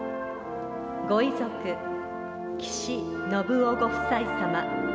ご遺族、岸信夫ご夫妻様。